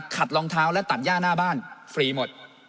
รองเท้าและตัดย่าหน้าบ้านฟรีหมด